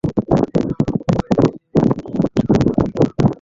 আমি অলরেডি করে দিয়েছি, এই ঘোষণাগুলো দুইবার আটকে।